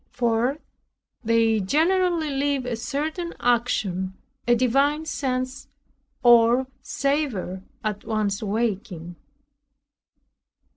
4. They generally leave a certain unction, a divine sense or savor at one's waking.